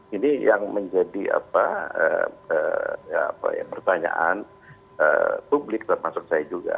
ini yang menjadi pertanyaan publik termasuk saya juga